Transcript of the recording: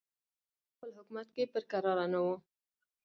تیمورشاه په خپل حکومت کې پر کراره نه وو.